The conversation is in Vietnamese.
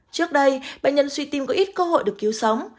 trước đây bệnh nhân suy tim có ít cơ hội được cứu sống